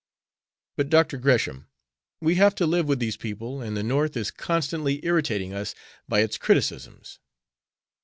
"But, Dr. Gresham, we have to live with these people, and the North is constantly irritating us by its criticisms."